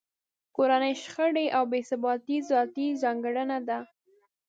کورنۍ شخړې او بې ثباتۍ ذاتي ځانګړنه ده.